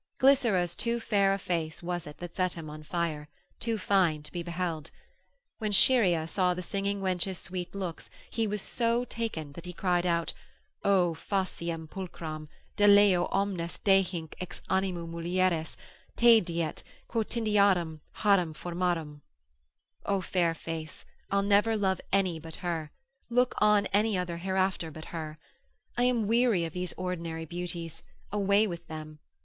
Glycera's too fair a face was it that set him on fire, too fine to be beheld. When Chaerea saw the singing wench's sweet looks, he was so taken, that he cried out, O faciem pulchram, deleo omnes dehinc ex animo mulieres, taedet quotidianarum harum formarum! O fair face, I'll never love any but her, look on any other hereafter but her; I am weary of these ordinary beauties, away with them.